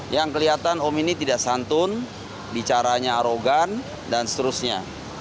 yang kelihatan om ini tidak santun bicaranya arogan dan seterusnya